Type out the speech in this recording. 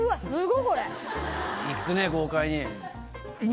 いくね豪快に。